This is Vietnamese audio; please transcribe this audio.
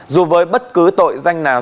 dù với bất cứ tội danh nào